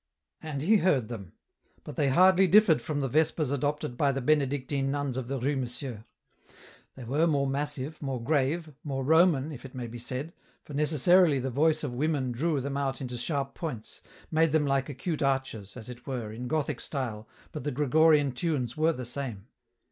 And he heard them ; but they hardly differed from the Vespers adopted by the Benedictine nuns of the Rue Monsieur ; they were more massive, more grave, more Roman, if it may be said, for necessarily the voice of women drew them out into sharp points, made them like acute arches, as it were, in Gothic style, but the Gregorian tunes were the same.